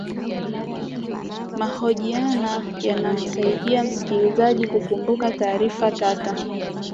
mahojiana yanamsaidia msikilizaji kukumbuka taarifa tata